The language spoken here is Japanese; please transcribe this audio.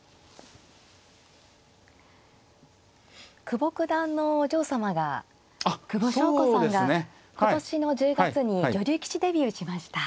久保九段のお嬢様が久保翔子さんが今年の１０月に女流棋士デビューしました。